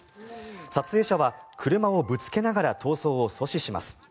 撮影者は車をぶつけながら逃走を阻止します。